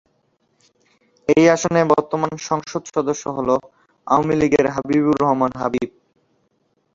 এই আসনে বর্তমান সংসদ সদস্য হলো আওয়ামী লীগের হাবিবুর রহমান হাবিব।